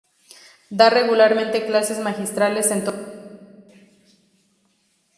Da regularmente clases magistrales en todo el mundo.